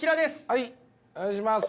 はいお願いします。